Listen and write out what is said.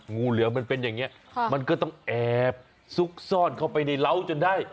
งูเหลืองมันเป็นอย่างนี้มันก็ต้องแอบซุกซ่อนเข้าไปในเล้าจนได้